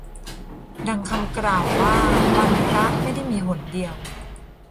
ดังคำกล่าวว่าวันพระไม่ได้มีหนเดียว